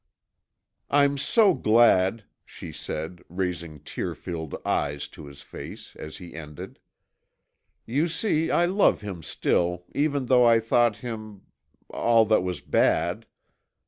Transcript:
"I'm so glad," she said, raising tear filled eyes to his face as he ended. "You see I love him still, even though I thought him all that was bad.